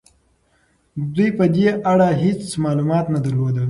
دوی په دې اړه هيڅ معلومات نه درلودل.